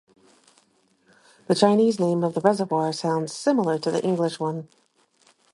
The Chinese name of the reservoir sounds similar to the English one.